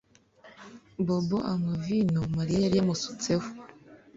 Bobo anywa vino Mariya yari yamusutseho